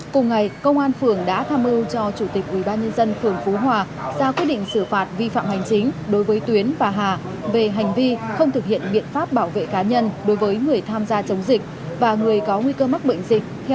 cùng ngày công an phường đã tham mưu cho chủ tịch ubnd phường phú hòa ra quyết định xử phạt vi phạm hành chính đối với tuyến và hà về hành vi không thực hiện biện pháp bảo vệ cá nhân đối với người tham gia chống dịch và người có nguy cơ mắc bệnh dịch